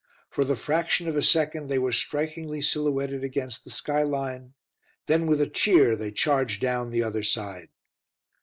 For the fraction of a second they were strikingly silhouetted against the sky line; then with a cheer they charged down the other side.